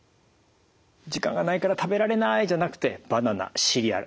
「時間がないから食べられない！」じゃなくてバナナシリアル。